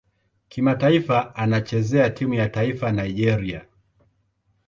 Kimataifa anachezea timu ya taifa Nigeria.